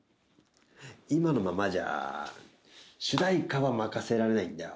今のままじゃ主題歌は任せられないんだよ